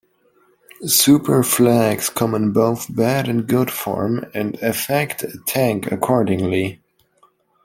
Super flags come in both bad and good form, and affect a tank accordingly.